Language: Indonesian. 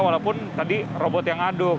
walaupun tadi robot yang aduk